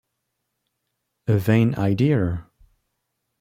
A vain idea!